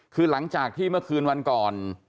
คือหลังจากที่เมื่อคืนวันก่อน